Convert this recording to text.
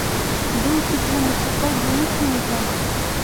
Был тиклем осоҡай булырһың икән!